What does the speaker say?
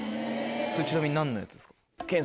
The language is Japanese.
それちなみに何のやつですか？